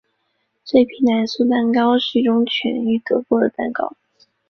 脆皮奶酥蛋糕是一种起源于德国的蛋糕。